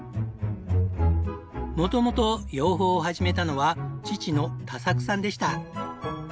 元々養蜂を始めたのは父の多作さんでした。